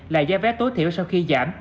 là giá vé tối thiểu sau khi giảm